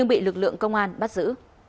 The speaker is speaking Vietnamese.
bị lực lượng công an bắt giữ